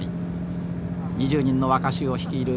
２０人の若衆を率いる